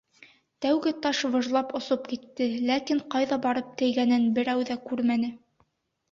Тәүге таш выжлап осоп китте, ләкин ҡайҙа барып тейгәнен берәү ҙә күрмәне.